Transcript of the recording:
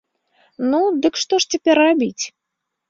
Ну, дык што ж цяпер рабіць?